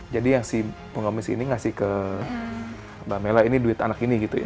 jadi yang si pengemis ini ngasih ke mbak mela ini duit anak ini gitu ya